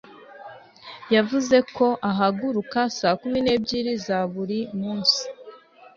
Yavuze ko ahaguruka saa kumi nebyiri za buri munsi